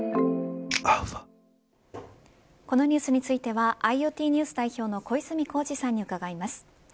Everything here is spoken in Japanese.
このニュースについてはＩｏＴＮＥＷＳ代表の小泉耕二さんに伺います。